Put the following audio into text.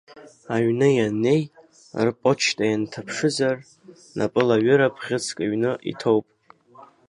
Аҩны ианнеи, рпочта инҭаԥшызар, напылаҩыра бӷьыцк ҩны иҭоуп.